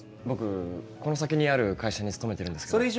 僕この先にある会社に勤めてるんですけど。